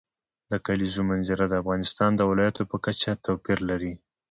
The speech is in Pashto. د کلیزو منظره د افغانستان د ولایاتو په کچه توپیر لري.